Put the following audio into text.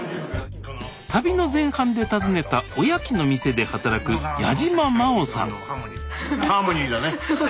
旅の前半で訪ねたおやきの店で働く矢島真央さんハーモニーだね！